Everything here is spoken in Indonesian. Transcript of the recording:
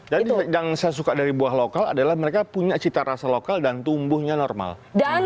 yang saya suka dari buah lokal adalah mereka punya cita rasa lokal dan tumbuhnya normal